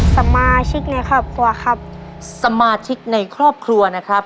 สมาชิกในครอบครัวครับสมาชิกในครอบครัวนะครับ